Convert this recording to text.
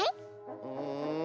うん。